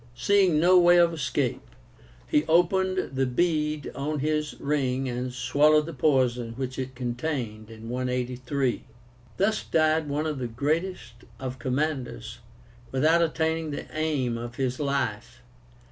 Seeing no way of escape, he opened the bead on his ring and swallowed the poison which it contained (183). Thus died one of the greatest of commanders, without attaining the aim of his life.